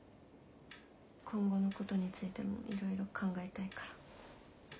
今後のことについてもいろいろ考えたいから。